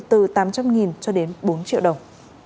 từ tám trăm linh cho đến bốn triệu đồng